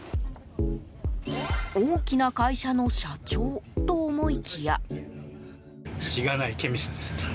大きな会社の社長と思いきや。